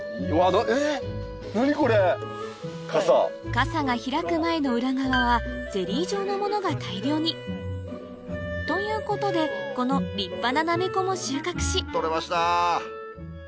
カサが開く前の裏側はゼリー状のものが大量にということでこの立派なナメコも収穫し取れました！